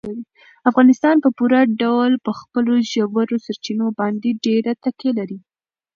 افغانستان په پوره ډول په خپلو ژورو سرچینو باندې ډېره تکیه لري.